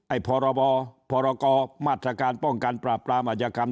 ไอ้พบพกมาตรการป้องกันประปรามาจกรรม